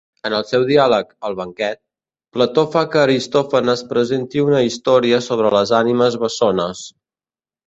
En el seu diàleg "El banquet", Plató fa que Aristòfanes presenti una història sobre les ànimes bessones.